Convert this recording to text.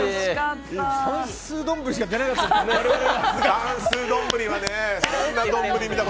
算数丼しか出なかった。